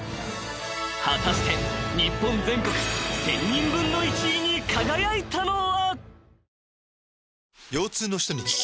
［果たして日本全国１，０００人分の１位に輝いたのは？］